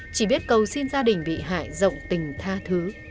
chỉ biết cầu xin gia đình bị hại rộng tình tha thứ